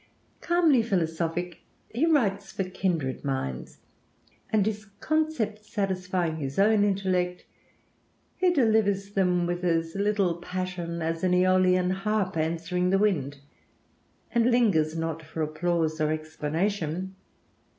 Calmly philosophic, he writes for kindred minds, and his concepts satisfying his own intellect, he delivers them with as little passion as an Æolian harp answering the wind, and lingers not for applause or explanation.